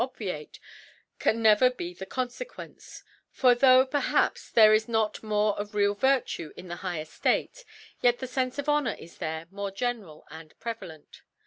ob viate can never be the Confequcnce. For tho\ perhaps, there is not more of real Virtfie in the higher State, yet the Senfe of Honour is. there more general and prevalent.